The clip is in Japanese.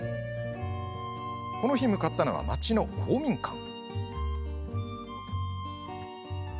この日、向かったのは町の公民館。